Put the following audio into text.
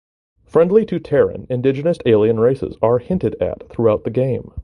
Friendly to Terran indigenous alien races are hinted at throughout the game.